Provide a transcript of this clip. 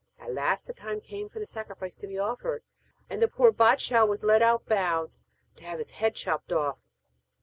At last the time came for the sacrifice to be offered, and the poor bâdshah was led out bound, to have his head chopped off.